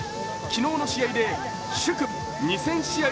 昨日の試合で祝２０００試合